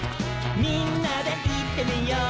「みんなでいってみよう」